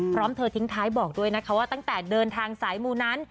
พร้อมเธอทิ้งท้ายบอกด้วยนะคะว่าตั้งแต่เดินทางสายมูนั้น